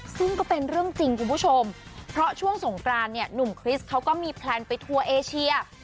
ซึ่งก็เป็นเรื่องจริงคุณผู้ชมเพราะช่วงสงกรานเนี่ยหนุ่มคริสเขาก็มีแพลนไปทัวร์เอเชีย